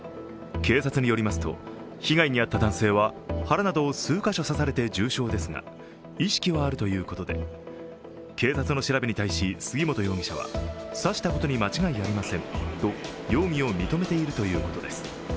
警察によりますと、被害に遭った男性は腹などを数か所刺されて重傷ですが意識はあるということで、警察の調べに対し杉本容疑者は、刺したことに間違いありませんと容疑を認めているということです。